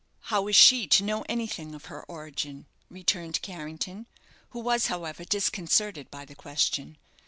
"How is she to know anything of her origin?" returned Carrington, who was, however, disconcerted by the question.